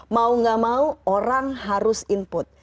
mau gak mau orang harus input